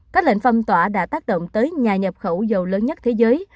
các lệnh phong tỏa đã tác động tới nhà nhập khẩu dầu lớn nhất thế giới